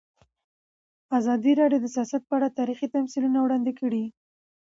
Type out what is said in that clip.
ازادي راډیو د سیاست په اړه تاریخي تمثیلونه وړاندې کړي.